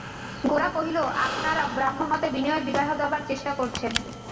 গোরা কহিল, আপনারা ব্রাহ্মমতে বিনয়ের বিবাহ দেবার চেষ্টা করছেন।